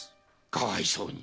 かわいそうに。